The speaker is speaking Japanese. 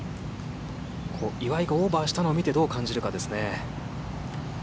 岩井がオーバーしたのを見てどう感じるかですね。